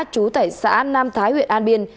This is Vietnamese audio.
chú tại xã nam thái huyện an biên